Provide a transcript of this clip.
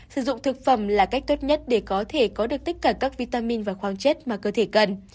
sử dụng thực phẩm là cách tốt nhất để có thể có được tất cả các vitamin và khoáng chất mà cơ thể cần